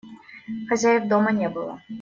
Хозяев дома не было.